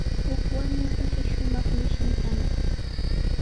Huk warmipashi shumaq mishin kanaq.